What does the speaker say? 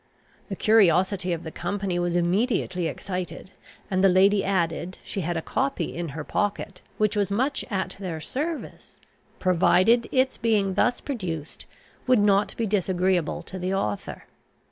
The curiosity of the company was immediately excited, and the lady added, she had a copy in her pocket, which was much at their service, provided its being thus produced would not be disagreeable to the author.